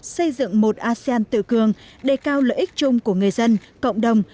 xây dựng một asean tự cường đề cao lợi ích chung của người dân cộng đồng